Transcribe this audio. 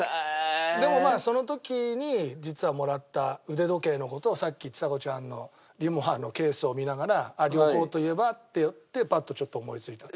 でもまあその時に実はもらった腕時計の事をさっきちさ子ちゃんのＲＩＭＯＷＡのケースを見ながら旅行といえばっていってパッとちょっと思い付いた。